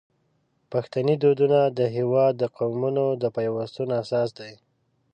پښتني دودونه د هیواد د قومونو د پیوستون اساس دی.